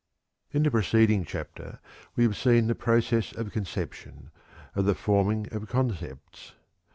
In the preceding chapter we have seen the process of conception of the forming of concepts.